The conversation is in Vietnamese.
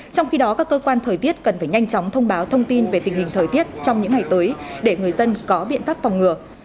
trong khi đó các cơ quan thời tiết cần phải nhanh chóng thông báo thông tin về tình hình thời tiết trong những ngày tới để người dân có biện pháp phòng ngừa